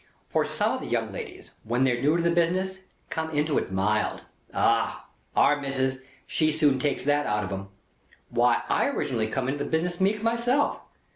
For some of the young ladies, when they're new to the business, come into it mild! Ah! Our Missis, she soon takes that out of 'em. Why, I originally come into the business meek myself.